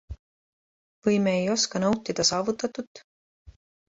Või me ei oska nautida saavutatut?